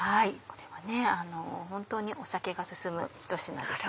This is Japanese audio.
これは本当に酒が進むひと品です。